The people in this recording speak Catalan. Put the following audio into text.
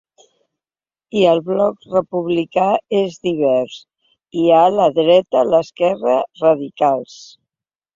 I el bloc republicà és divers: hi ha la dreta, l’esquerra, radicals.